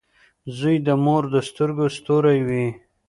• زوی د مور د سترګو ستوری وي.